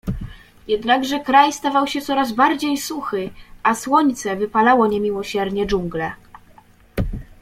Jednakże kraj stawał się coraz bardziej suchy, a słońce wypalało niemiłosiernie dżunglę.